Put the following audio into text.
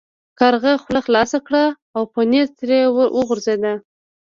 کارغه خوله خلاصه کړه او پنیر ترې وغورځید.